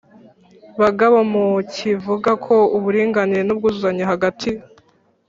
bagabo mukivuga ko uburinganire n’ubwuzuzanye hagati